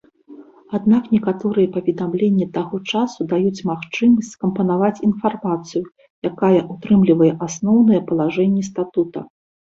Аднак некаторыя паведамленні таго часу даюць магчымасць скампанаваць інфармацыю, якая ўтрымлівае асноўныя палажэнні статута.